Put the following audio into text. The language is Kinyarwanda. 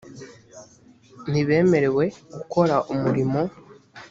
ntibemerewe gukora umurimo